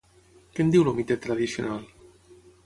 Què en diu el mite tradicional?